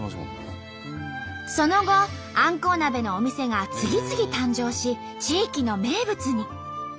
その後あんこう鍋のお店が次々誕生し地域の名物に。